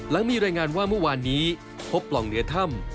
หลังมีรายงานว่าเมื่อวานนี้พบปล่องเหนือถ้ำ